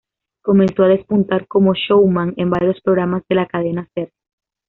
Comenzó a despuntar como "showman" en varios programas de la cadena Ser.